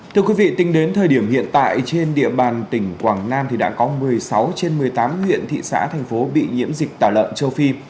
thưa quý vị tính đến thời điểm hiện tại trên địa bàn tỉnh quảng nam đã có một mươi sáu trên một mươi tám huyện thị xã thành phố bị nhiễm dịch tả lợn châu phi